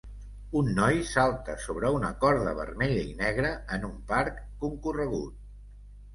Un noi salta sobre una corda vermella i negra en un parc concorregut.